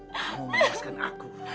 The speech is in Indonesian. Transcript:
kamu melepaskan aku